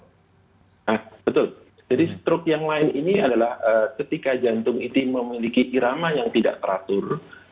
nah betul jadi struk yang lain ini adalah ketika jantung itu memiliki irama yang tidak teratur